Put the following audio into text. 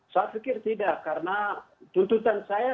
saya pikir tidak karena tuntutan saya